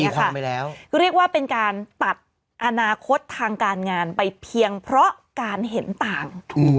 เรียกว่าเป็นการตัดอนาคตทางการงานไปเพียงเพราะการเห็นต่าง